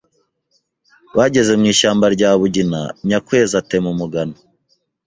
Bageze mu ishyamba rya Bugina Nyakwezi atema umugano